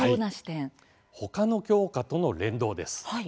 ほかの教科との連動です。